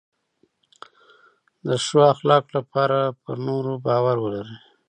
د ښو اخلاقو لپاره پر نورو باور ولرئ.